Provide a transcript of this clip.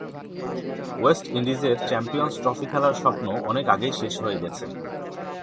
West ইন্ডিজের Champions Trophy খেলার স্বপ্ন অনেক আগেই শেষ হয়ে গেছে।